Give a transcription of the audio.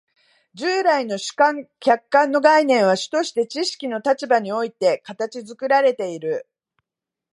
従来の主観・客観の概念は主として知識の立場において形作られている。